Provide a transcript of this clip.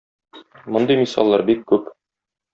Мондый мисаллар бик күп.